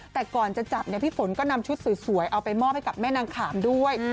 แต่ก่อนจะจับพี่ฝนก็นำชุดสวยเอาไปมอบให้กับแม่นางขามด้วย